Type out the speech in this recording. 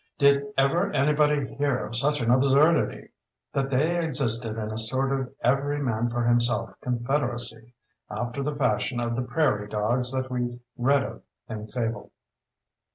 —did ever anybody hear of such an absurdity?—that they existed in a sort of every man for himself confederacy, after the fashion of the "prairie dogs" that we read of in fable.